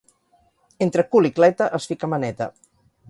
Entre cul i cleta es fica mà neta.